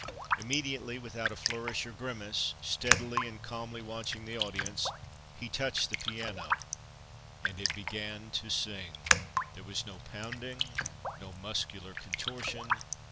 Immediately, without a flourish or grimace, steadily and calmly watching the audience, he touched the piano, and it began to sing. There was no pounding, no muscular contortion.